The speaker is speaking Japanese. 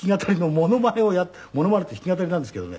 モノマネって弾き語りなんですけどね。